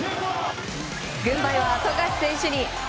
軍配は富樫選手に。